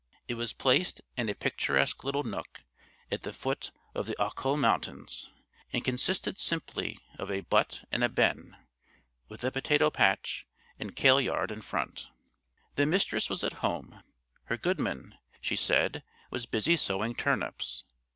It was placed in a picturesque little nook, at the foot of the Ochil mountains, and consisted simply of a "butt and a ben," with a potatoe patch and kail yard in front. The mistress was at home; her goodman, she said, was busy sowing turnips.